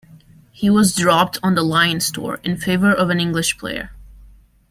He was dropped on the Lions tour, in favour of an English player.